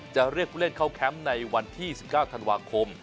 จะเรียกผู้เล่นเข้าแคมป์ในวันที่๑๙ธันวาคม